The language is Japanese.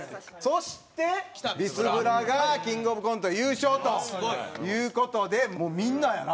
そしてビスブラがキングオブコント優勝という事でもうみんなやな。